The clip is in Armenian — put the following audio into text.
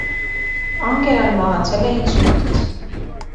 Անգելան մահացել է ինսուլտից։